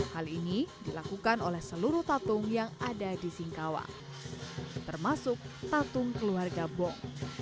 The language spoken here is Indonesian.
hal ini dilakukan oleh seluruh tatung yang ada di singkawa termasuk tatung keluarga bong